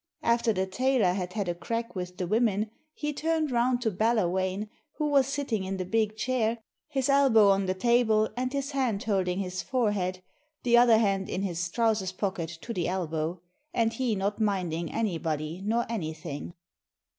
After the tailor had had a crack with the women he turned round to Ballawhane, who was sitting in the big chair, his elbow on the table and his hand holding his forehead, the other hand in his trouser's pocket to the elbow, and he not minding anybody nor anything.